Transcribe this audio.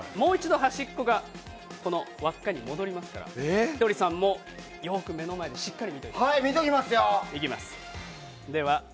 もう一度、端っこが輪っかに戻りますからひとりさんもよく目の前でしっかり見ておいてください。